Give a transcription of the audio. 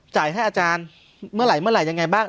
ให้อาจารย์เมื่อไหร่เมื่อไหร่ยังไงบ้าง